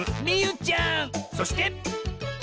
そして！